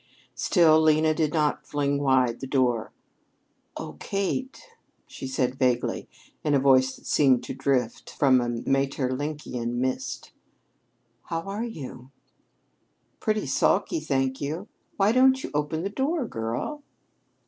Still Lena did not fling wide the door. "Oh, Kate!" she said vaguely, in a voice that seemed to drift from a Maeterlinckian mist. "How are you?" "Pretty sulky, thank you. Why don't you open the door, girl?"